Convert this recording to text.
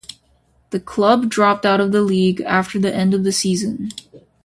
The club dropped out of the league after the end of the season.